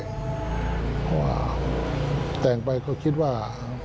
เพราะว่าแต่งไปก็คิดว่า